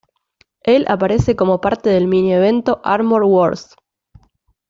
Él aparece como parte del mini evento "Armor Wars".